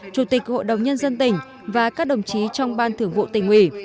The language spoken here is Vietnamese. chủ tịch hội đồng nhân dân tỉnh và các đồng chí trong ban thưởng vụ tỉnh ủy